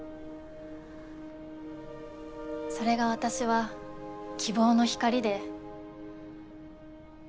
それが私は希望の光で。